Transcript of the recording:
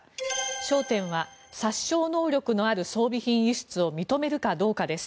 焦点は殺傷能力のある装備品輸出を認めるかどうかです。